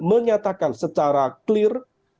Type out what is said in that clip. menyatakan secara clear